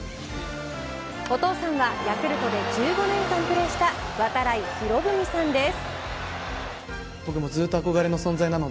お父さんはヤクルトで１５年間プレーした度会博文さんです。